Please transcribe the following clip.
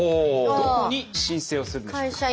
どこに申請をするんでしょうか？